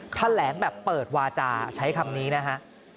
แถลงแบบเปิดวาจาใช้คำนี้นะฮะ